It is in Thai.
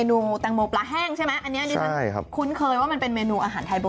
ข้างบัวแห่งสันยินดีต้อนรับทุกท่านนะครับ